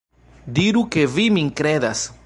Diru ke vi min kredas.